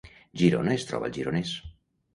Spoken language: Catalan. Girona es troba al Gironès